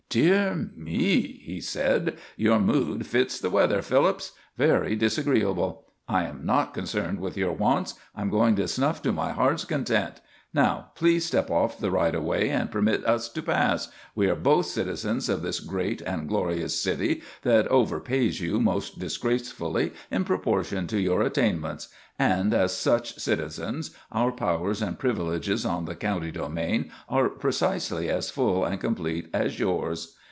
"Dear me," he said, "your mood fits the weather, Phillips; very disagreeable. I am not concerned with your wants. I'm going to snuff to my heart's content. Now please step off the right of way and permit us to pass. We are both citizens of this great and glorious city that overpays you most disgracefully in proportion to your attainments; and as such citizens our powers and privileges on the county domain are precisely as full and complete as yours.